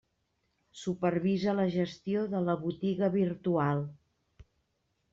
Supervisa la gestió de la botiga virtual.